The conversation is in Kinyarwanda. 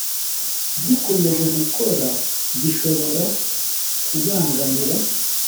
Gikomeje gukora bishobora kubangamira